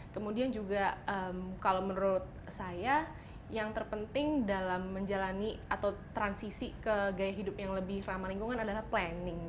kemudian juga kalau menurut saya yang terpenting dalam menjalani atau transisi ke gaya hidup yang lebih ramah lingkungan adalah planning